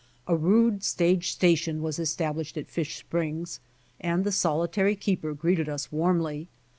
A rude stage station was estab lished at Fish springs, and the solitary keeper greeted us warmly.